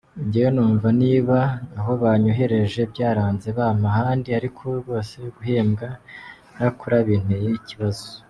Njyewe numva niba aho banyohereje byaranze bampa ahandi ariko rwose guhembwa ntakora binteye ikibazo”.